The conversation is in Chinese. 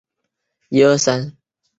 主要城镇为蒙迪迪耶。